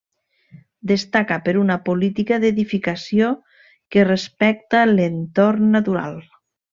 Destaca per una política d'edificació que respecta l'entorn natural.